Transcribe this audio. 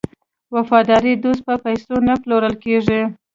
وفادار دوست په پیسو نه پلورل کیږي.